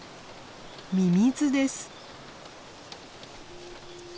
ミミズです。